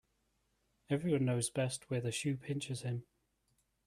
Every one knows best where the shoe pinches him